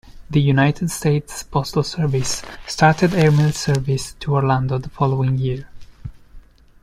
The United States Postal Service started airmail service to Orlando the following year.